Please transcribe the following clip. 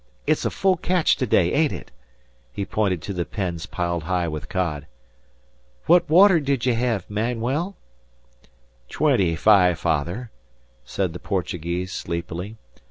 It's a full catch today, Aeneid it?" He pointed at the pens piled high with cod. "What water did ye hev, Manuel?" "Twenty fife father," said the Portuguese, sleepily.